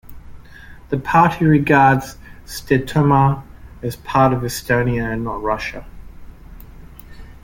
The party regards Setomaa as a part of Estonia and not Russia.